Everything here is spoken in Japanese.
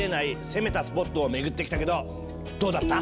攻めたスポットを巡ってきたけどどうだった？